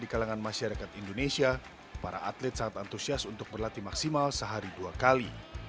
di kalangan masyarakat indonesia para atlet sangat antusias untuk berlatih maksimal sehari dua kali